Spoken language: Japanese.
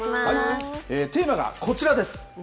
テーマがこちらです。